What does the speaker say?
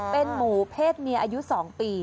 เป็นหมูเพศเมียอายุ๒ปี